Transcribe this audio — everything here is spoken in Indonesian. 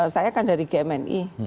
saya kan dari gmni